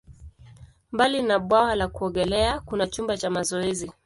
Mbali na bwawa la kuogelea, kuna chumba cha mazoezi.